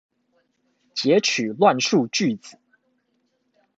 擷取亂數句子